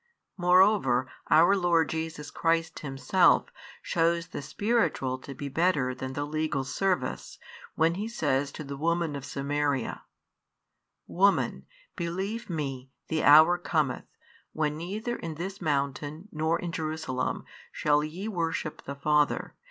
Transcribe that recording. Moreover, Our Lord Jesus Christ Himself shows the spiritual to be better than the legal service, when He says to the woman of Samaria: Woman, believe Me, the hour cometh, when neither in this mountain, nor in Jerusalem, shall ye worship the Father.